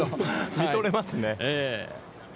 見とれますね。